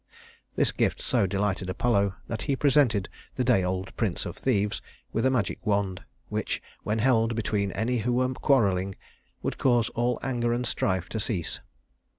This gift so delighted Apollo that he presented the day old prince of thieves with a magic wand, which, when held between any who were quarreling, would cause all anger and strife to cease.